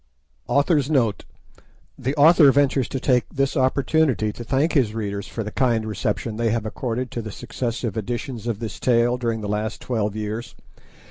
AUTHOR'S NOTE The author ventures to take this opportunity to thank his readers for the kind reception they have accorded to the successive editions of this tale during the last twelve years.